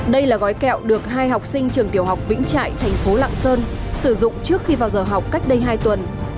đây là gói kẹo được hai học sinh trường tiểu học vĩnh trại thành phố lạng sơn sử dụng trước khi vào giờ học cách đây hai tuần